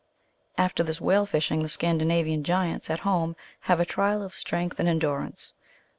After this whale fishing, the Scandinavian giants at home have a trial of strength and endurance.